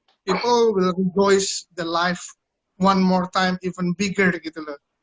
orang akan mengurangi hidupnya sekali lagi lebih besar gitu loh